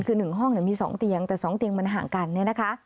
คือ๑ห้องไหนมี๒เตียงแต่๒เตียงมันห่างกัน